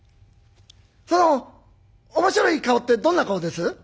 「その面白い顔ってどんな顔です？」。